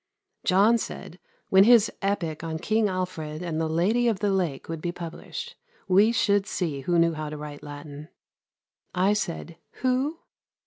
John said when his epick on King Alfred and the Lady of the Lake would be published, we should see who knew how to write Latin. I said: "Who?"